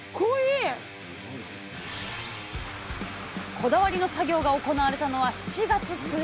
こだわりの作業が行われたのは７月末。